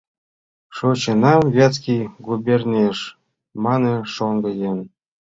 — Шочынам Вятский губерниеш, — мане шоҥго еҥ.